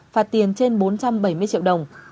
phạt tiền trên bốn trăm bảy mươi triệu đồng